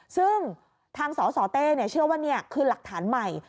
ซึ่งทางสสเต้เชื่อว่านี่คือหลักฐานใหม่